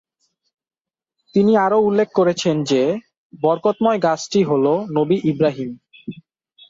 তিনি আরো উল্লেখ করেছেন যে, বরকতময় গাছটি হল নবি ইব্রাহিম।